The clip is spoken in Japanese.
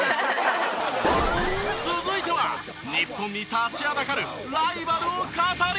続いては日本に立ちはだかるライバルを語り尽くす！